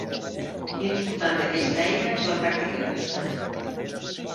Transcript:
L'important d'aquesta eina és la pràctica constant.